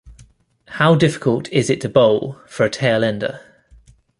How difficult it is to bowl for a tail ender?